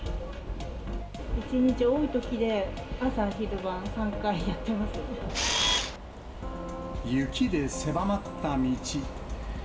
１日多いときで、朝昼晩３回雪で狭まった道。